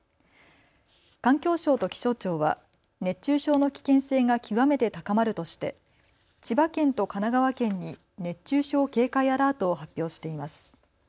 環境省と気象庁は熱中症の危険性が極めて高まるとして千葉県と神奈川県に熱中症警戒アラートを発表しています。